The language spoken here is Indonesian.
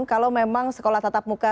kalau memang sekolah tatap muka